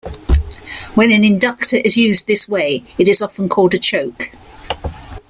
When an inductor is used this way it is often called a choke.